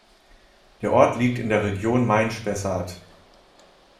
Der Ort liegt in der Region Main-Spessart.